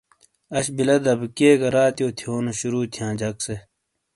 آش بِیلہ دبیکئیے گہ راتیو تھیونو شروع تھیاں جک سے ۔